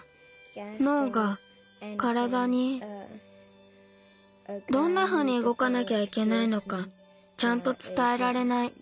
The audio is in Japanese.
のうがからだにどんなふうにうごかなきゃいけないのかちゃんとつたえられない。